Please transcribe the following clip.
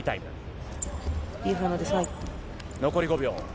残り５秒。